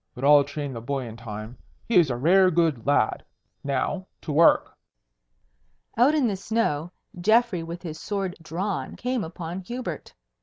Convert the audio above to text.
"But I'll train the boy in time. He is a rare good lad. Now, to work." Out in the snow, Geoffrey with his sword drawn came upon Hubert.